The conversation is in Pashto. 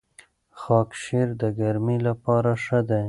خاکشیر د ګرمۍ لپاره ښه دی.